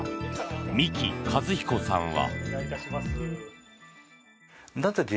三木一彦さんは。